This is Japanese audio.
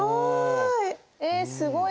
すごい！